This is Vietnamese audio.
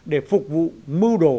để phục vụ mưu đồ